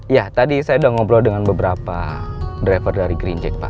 ya tadi saya sudah ngobrol dengan beberapa driver dari green jack pak